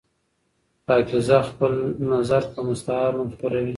پاکیزه خپل نظر په مستعار نوم خپروي.